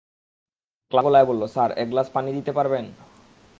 ক্লান্ত গলায় বলল, স্যার, এক গ্লাস পানি দিতে পারেন?